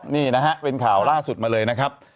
นี่นะฮะเป็นข่าวล่าสุดมาเลยนะครับ